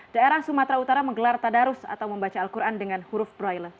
daerah sumatera utara menggelar tadarus atau membaca al quran dengan huruf braille